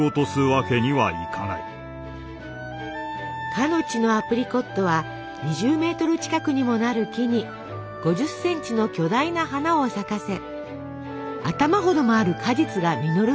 かの地のアプリコットは２０メートル近くにもなる木に５０センチの巨大な花を咲かせ頭ほどもある果実が実ると記したデュマ。